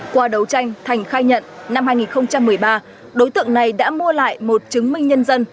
qua đấu tranh thành khai nhận năm hai nghìn một mươi ba đối tượng này đã mua lại một chứng minh nhân dân